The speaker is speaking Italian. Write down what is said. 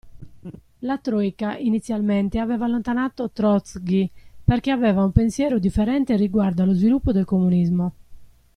La troika inizialmente aveva allontanato Trozkij perché aveva un pensiero differente riguardo allo sviluppo del comunismo.